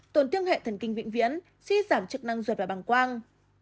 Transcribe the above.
tổn thương hệ thần kinh vĩnh viễn suy giảm chức năng ruột và bằng quang